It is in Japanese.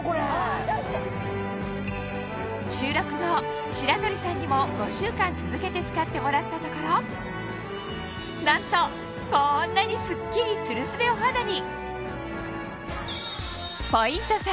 収録後白鳥さんにも５週間続けて使ってもらったところなんとこんなにスッキリツルスベお肌に！